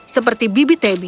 seperti bibi tabby